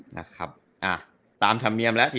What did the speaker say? อย่างนี้ตามธรรมเนียมแล้ว